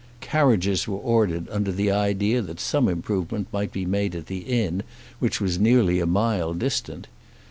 Carriages were ordered under the idea that some improvement might be made at the inn which was nearly a mile distant.